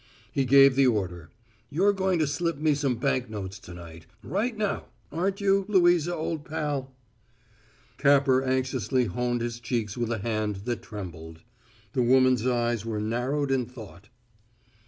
He gave the order. "You're going to slip me some bank notes to night right now, aren't you, Louisa, old pal?" Capper anxiously honed his cheeks with a hand that trembled. The woman's eyes were narrowed in thought.